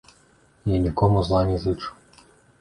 Я нікому зла не зычу.